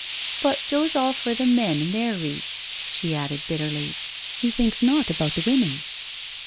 " But Joe's all for the men an' their reets," she added bitterly; "he thinks nought about the women."